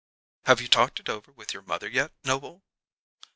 "Have you talked it over with your mother yet, Noble?"